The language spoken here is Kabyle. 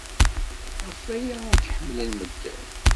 Ɣef waya ay ken-ḥemmlen medden.